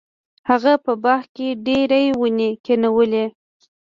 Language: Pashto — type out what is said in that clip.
هغه په باغ کې ډیرې ونې کینولې.